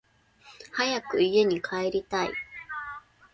早く家に帰りたい